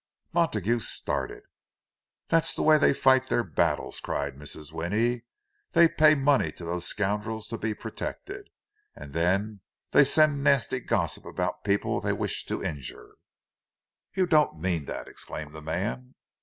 Montague started. "That's the way they fight their battles!" cried Mrs. Winnie. "They pay money to those scoundrels to be protected. And then they send nasty gossip about people they wish to injure." "You don't mean that!" exclaimed the man.